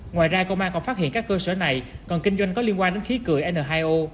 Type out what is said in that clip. ngoài ra công an còn phát hiện các cơ sở này còn kinh doanh có liên quan đến khí cười n hai o